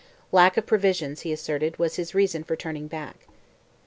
Lack of provisions, he asserted, was his reason for turning back.